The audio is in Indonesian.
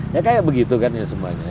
ya kayak begitu kan ya semuanya